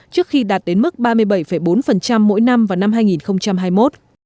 trước khi đạt đến mức ba mươi bảy bốn mỗi năm vào năm hai nghìn hai mươi một